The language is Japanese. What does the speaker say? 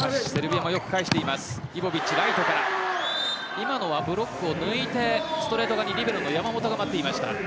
今のはブロックを抜いてストレート側にリベロの山本が待っていました。